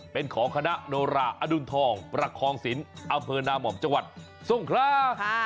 เป็นของคณะโนราอดุลทองประคองศิลป์อำเภอนาม่อมจังหวัดทรงครา